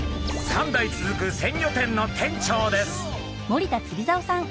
３代続く鮮魚店の店長です。